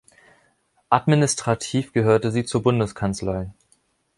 Administrativ gehörte sie zur Bundeskanzlei.